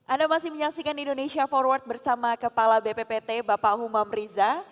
anda masih menyaksikan indonesia forward bersama kepala bppt bapak humam riza